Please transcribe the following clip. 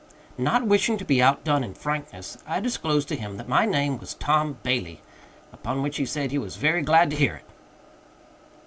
Not wishing to be outdone in frankness, I disclosed to him that my name was Tom Bailey, upon which he said he was very glad to hear it.